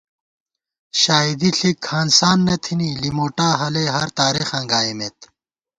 شائیدی ݪِک ہانسان نہ تھنی ، لِموٹا ہلَئی ہرتارېخاں گائیمېت